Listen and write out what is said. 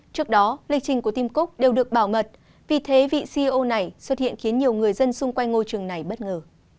trước đó lịch trình của tìm cúc đều được bảo mật vì thế vị ceo này xuất hiện khiến nhiều người dân xung quanh ngôi trường này bất ngờ